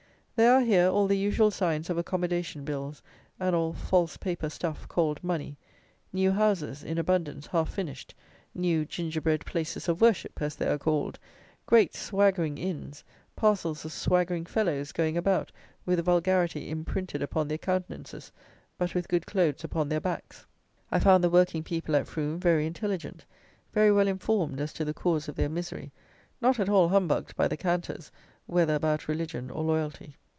There are here all the usual signs of accommodation bills and all false paper stuff, called money: new houses, in abundance, half finished; new gingerbread "places of worship," as they are called; great swaggering inns; parcels of swaggering fellows going about, with vulgarity imprinted upon their countenances, but with good clothes upon their backs. I found the working people at Frome very intelligent; very well informed as to the cause of their misery; not at all humbugged by the canters, whether about religion or loyalty.